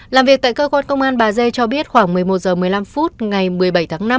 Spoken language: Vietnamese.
làm việc tại cơ quan công an bà dê cho biết khoảng một mươi một h một mươi năm phút ngày một mươi bảy tháng năm